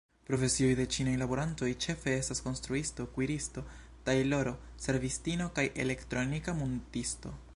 Profesioj de ĉinaj laborantoj ĉefe estas konstruisto, kuiristo, tajloro, servistino kaj elektronika muntisto.